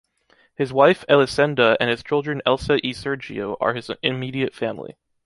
His wife Elisenda and his children Elsa y Sergio are his immediate family.